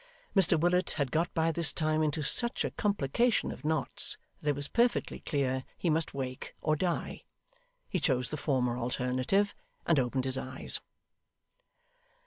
Mr Willet had got by this time into such a complication of knots, that it was perfectly clear he must wake or die. He chose the former alternative, and opened his eyes.